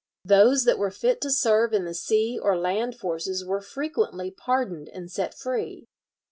Those that were fit to serve in the sea or land forces were frequently pardoned and set free.